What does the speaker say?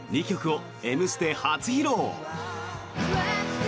２曲を「Ｍステ」初披露。